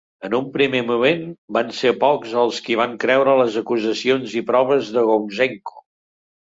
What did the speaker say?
En un primer moment van ser pocs els qui van creure les acusacions i proves de Gouzenko.